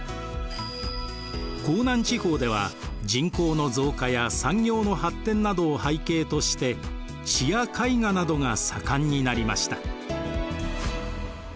江南地方では人口の増加や産業の発展などを背景として詩や絵画などが盛んになりました。